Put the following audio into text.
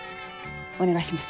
お願いします。